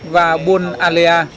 và bôn alea